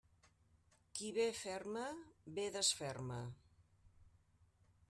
Qui bé ferma, bé desferma.